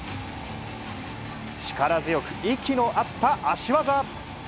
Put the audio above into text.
力強く、息の合った足技。